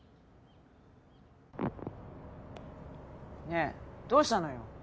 ねえどうしたのよ？